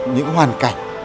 những hoàn cảnh